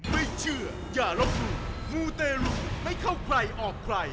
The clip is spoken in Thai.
ไม่เชื่ออย่าลบหลู่มูเตรุไม่เข้าใครออกใคร